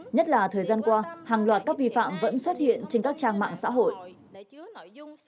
nhất là thời gian qua hàng loạt các vi phạm vẫn xuất hiện trên các trang mạng xã hội